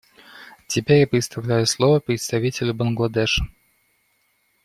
Теперь я предоставляю слово представителю Бангладеш.